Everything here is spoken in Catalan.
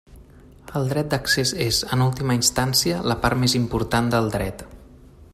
El dret d'accés és, en última instància, la part més important del dret.